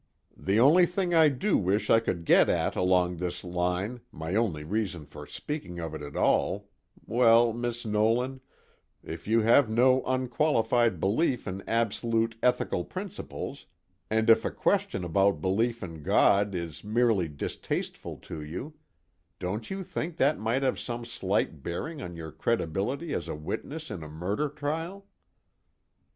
The only thing I do wish I could get at along this line my only reason for speaking of it at all well, Miss Nolan, if you have no unqualified belief in absolute ethical principles, and if a question about belief in God is merely distasteful to you, don't you think that might have some slight bearing on your credibility as a witness in a murder trial?"